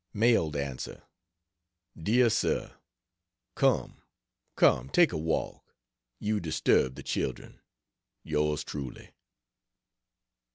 Mailed Answer: DEAR SIR, Come, come take a walk; you disturb the children. Yours Truly.